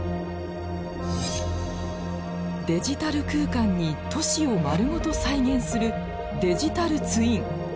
デジタル空間に都市を丸ごと再現するデジタルツイン。